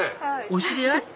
お知り合い？